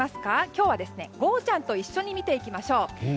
今日はゴーちゃん。と一緒に見ていきましょう。